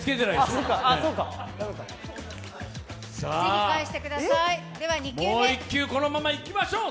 もう１球このままいきましょう。